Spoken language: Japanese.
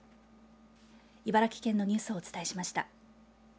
茨城県のニュースをお伝えしました。